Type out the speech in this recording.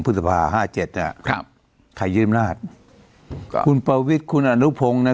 พฤษภาห้าเจ็ดอ่ะครับใครยืมอำนาจก็คุณประวิทย์คุณอนุพงศ์เนี่ย